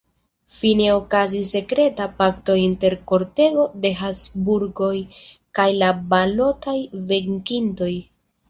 Fine okazis sekreta pakto inter kortego de Habsburgoj kaj la balotaj venkintoj.